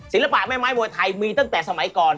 ศิลปะแม่ไม้มวยไทยมีตั้งแต่สมัยก่อน